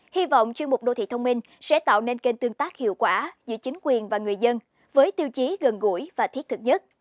hy vọng chuyên mục đô thị thông minh sẽ tạo nên kênh tương tác hiệu quả giữa chính quyền và người dân với tiêu chí gần gũi và thiết thực nhất